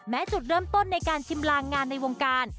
จุดเริ่มต้นในการชิมลางงานในวงการ